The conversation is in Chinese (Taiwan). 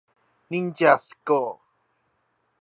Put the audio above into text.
忍者學校